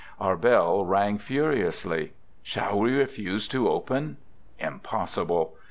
Our bell rang furiously. Shall we refuse to open? Impossible.